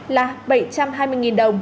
là bảy trăm hai mươi đồng